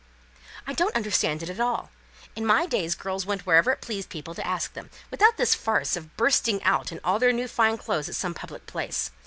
"I don't understand it at all. In my days girls went wherever it pleased people to ask them, without this farce of bursting out in all their new fine clothes at some public place.